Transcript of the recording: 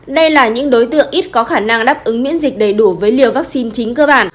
đây là những đối tượng ít có khả năng đáp ứng miễn dịch đầy đủ với liều vaccine chính cơ bản